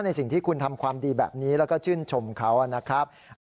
สิ่งที่คุณทำความดีแบบนี้แล้วก็ชื่นชมเขานะครับ